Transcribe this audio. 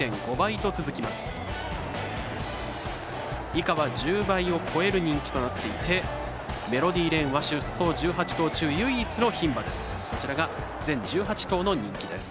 以下は１０倍を超える人気となっていてメロディーレーンは出走１８頭中唯一の牝馬です。